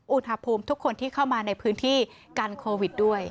อุณหภูมิทุกคนที่เข้ามาในพื้นที่กันโควิดด้วย